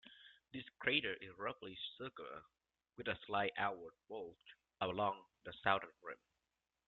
This crater is roughly circular, with a slight outward bulge along the southern rim.